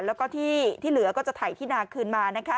แล้วก็ที่เหลือก็จะถ่ายที่นาคืนมานะคะ